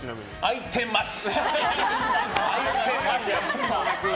空いてます！